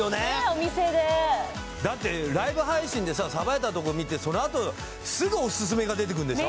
お店でだってライブ配信でささばいたとこ見てそのあとすぐおすすめが出てくるんでしょ？